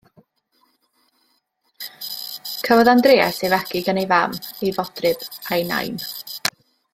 Cafodd Andreas ei fagu gan ei fam, ei fodryb a'i nain.